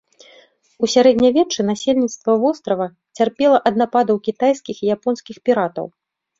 У сярэднявеччы насельніцтва вострава цярпела ад нападаў кітайскіх і японскіх піратаў.